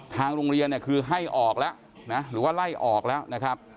ทางโรงเรียนเนี่ยคือให้ออกแล้วนะหรือว่าไล่ออกแล้วนะครับ